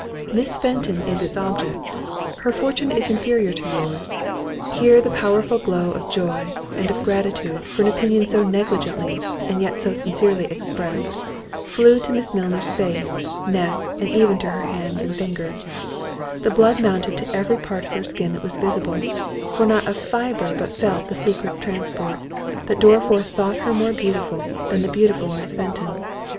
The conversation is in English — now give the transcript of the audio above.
Miss Fenton is its object—her fortune is inferior to your's, her personal attractions are less"—— Here the powerful glow of joy, and of gratitude, for an opinion so negligently, and yet so sincerely expressed, flew to Miss Milner's face, neck, and even to her hands and fingers; the blood mounted to every part of her skin that was visible, for not a fibre but felt the secret transport, that Dorriforth thought her more beautiful than the beautiful Miss Fenton.